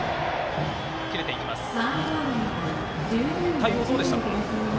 対応どうでしたか？